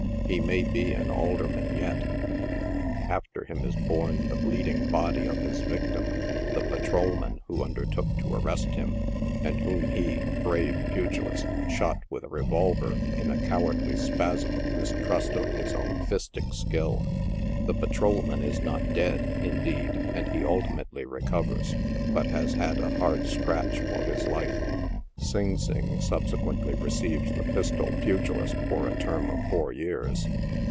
He may be an alderman, yet. After him is borne the bleeding body of his vic tim — the patrolman who undertook to arrest him, and whom he — brave pugilist! — shot with a revolver in a cowardly spasm of mis trust of his own fistic skill. The patrolman is not dead, indeed, and he ultimately recovers, but has had a " hard scratch" for his life. Sing Sing subsequently receives the pistol pugilist for a term of four years.